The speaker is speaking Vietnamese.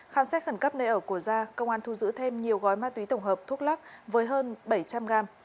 khám xét khẩn cấp nơi ở của gia công an thu giữ thêm nhiều gói ma túy tổng hợp thuốc lắc với hơn bảy trăm linh gram